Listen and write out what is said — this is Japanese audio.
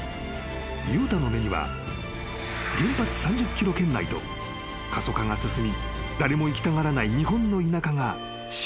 ［悠太の目には原発３０ｋｍ圏内と過疎化が進み誰も行きたがらない日本の田舎がシンクロして見えた］